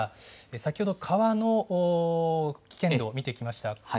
先ほど、川の危険度、見てきました。